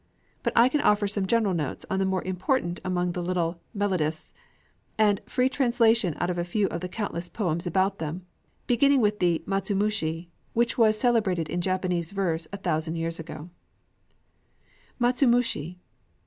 But I can offer some general notes on the more important among the little melodists, and free translations of a few out of the countless poems about them, beginning with the matsumushi, which was celebrated in Japanese verse a thousand years ago: _Matsumushi.